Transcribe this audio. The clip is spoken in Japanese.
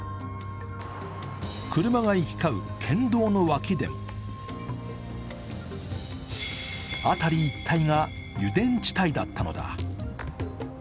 車が行き交う県道の脇でも辺り一帯が油田地帯だったのだ。